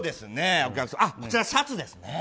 お客様こちら、シャツですね。